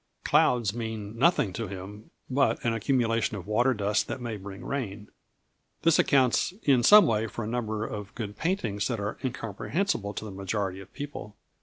Clouds mean nothing to him but an accumulation of water dust that may bring rain. This accounts in some way for the number of good paintings that are incomprehensible to the majority of people.